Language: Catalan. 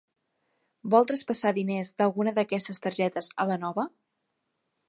Vol traspassar diners d'alguna d'aquestes targetes a la nova?